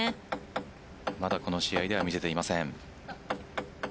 まだこの試合では見せていません。